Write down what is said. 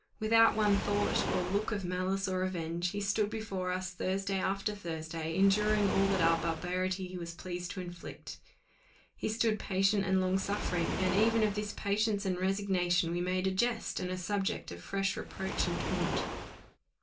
Without one thought or look of malice or revenge, he stood before us Thursday after Thursday, enduring all that our barbarity was pleased to inflict; he stood patient and long suffering, and even of this patience and resignation we made a jest, and a subject of fresh reproach and taunt.